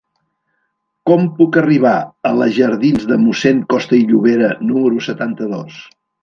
Com puc arribar a la jardins de Mossèn Costa i Llobera número setanta-dos?